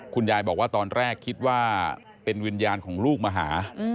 คุณยายบอกว่าตอนแรกคิดว่าเป็นวิญญาณของลูกมาหา